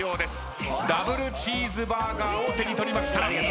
ダブルチーズバーガーを手に取りました。